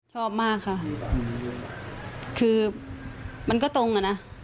ชอบมากค่ะคือมันก็ตรงอ่ะนะ